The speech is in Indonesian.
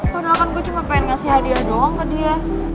padahal kan gue cuma pengen ngasih hadiah doang ke dia